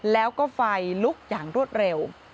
แล้วก็ไฟลุกอย่างรวดเร็ว